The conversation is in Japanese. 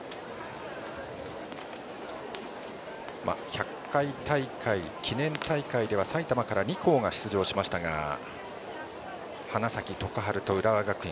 １００回記念大会では埼玉から２校が出場しましたが花咲徳栄と浦和学院